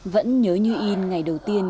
vẫn nhớ như yên ngày đầu tiên